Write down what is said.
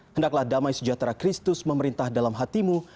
hendaklah damai sejahtera kristus memerintah dalam hatimu